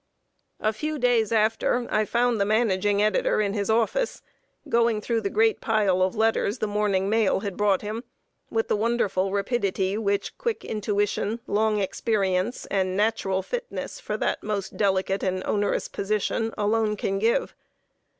] A few days after, I found the Managing Editor in his office, going through the great pile of letters the morning mail had brought him, with the wonderful rapidity which quick intuition, long experience, and natural fitness for that most delicate and onerous position alone can give.